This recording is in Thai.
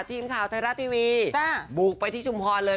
ทีมข่าวไทยรัฐทีวีบุกไปที่ชุมพรเลย